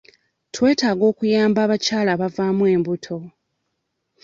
Twetaaga okuyamba abakyala abavaamu embuto.